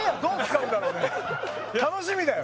楽しみだよ